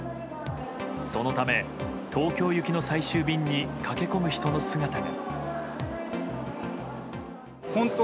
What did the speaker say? そのため、東京行きの最終便に駆け込む人の姿が。